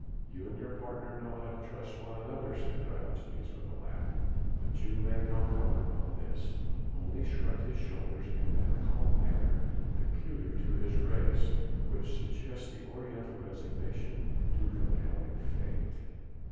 "You and your partner know how to trust one another," said Diogenes with a laugh. The Jew made no comment on this, only shrugged his shoulders in that calm manner peculiar to his race, which suggests the Oriental resignation to compelling fate.